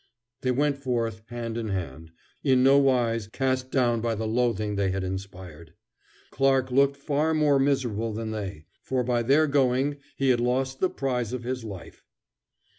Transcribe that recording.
They went forth, hand in hand, in no wise cast down by the loathing they had inspired. Clarke looked far more miserable than they, for by their going he had lost the prize of his life.